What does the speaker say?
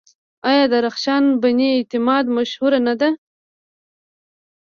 آیا رخشان بني اعتماد مشهوره نه ده؟